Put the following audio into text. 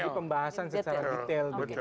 jadi pembahasan secara detail